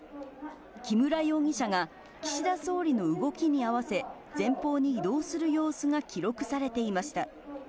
木村容疑者が岸田総理の動きに合わせ、前方に移動する様子が記録されていました。